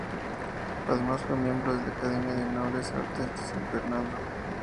Además fue miembro de la Academia de Nobles Artes de San Fernando.